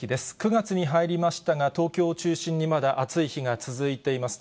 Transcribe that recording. ９月に入りましたが、東京を中心にまだ暑い日が続いています。